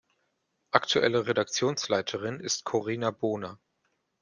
Aktuelle Redaktionsleiterin ist Corina Bohner.